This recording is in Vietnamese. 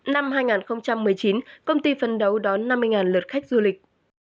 năm hai nghìn một mươi chín công ty phấn đấu đón năm mươi lượt khách du lịch